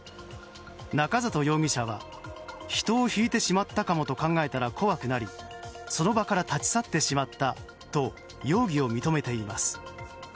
中野容疑者は人をひいてしまったかもと考えたら怖くなりその場から立ち去ってしまったと容疑を認めています。